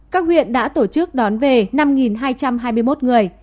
các huyện đã tổ chức đón về năm hai trăm hai mươi một người